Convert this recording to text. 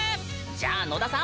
じゃあ野田さん